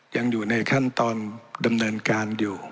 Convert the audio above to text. ยังอยู่ในขั้นตอนดำเนินการอยู่